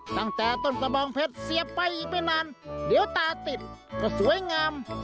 ตั้งแต่ต้นกระบองเพชรเสียบไปอีกไม่นานเดี๋ยวตาติดก็สวยงาม